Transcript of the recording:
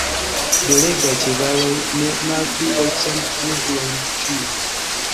Belegaj ĉevaloj, ne malpli ol cent rublojn ĉiu!